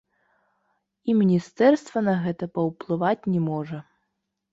І міністэрства на гэта паўплываць не можа.